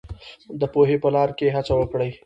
د پوهې په لار کې هڅه وکړئ.